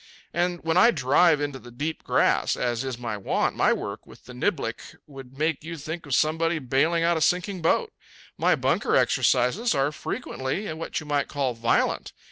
And when I drive into the deep grass, as is my wont, my work with the niblick would make you think of somebody bailing out a sinking boat. My bunker exercises are frequently what you might call violent.